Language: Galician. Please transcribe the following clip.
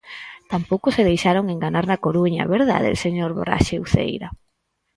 Tampouco se deixaron enganar na Coruña, ¿verdade, señor Braxe Uceira?